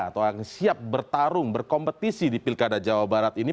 atau yang siap bertarung berkompetisi di pilkada jawa barat ini